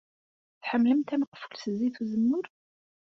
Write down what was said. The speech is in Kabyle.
Tḥemmlemt ameqful s zzit uzemmur?